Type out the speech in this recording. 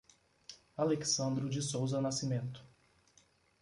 Alecsandro de Sousa Nascimento